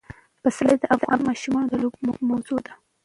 پسرلی د افغان ماشومانو د لوبو موضوع ده.